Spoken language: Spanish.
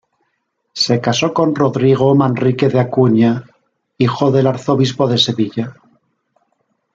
Se casó con Rodrigo Manrique de Acuña, hijo del Arzobispo de Sevilla.